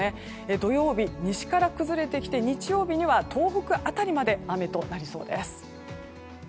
土曜日、西から崩れてきて日曜日には東北辺りまで雨となりそうです。